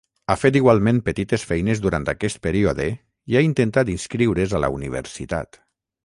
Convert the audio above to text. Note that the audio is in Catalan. Ha fet igualment petites feines durant aquest període i ha intentat inscriure's a la universitat.